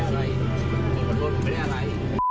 ขอโทษผมไม่ได้อะไร